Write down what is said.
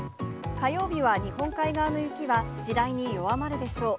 火曜日は日本海側の雪は次第に弱まるでしょう。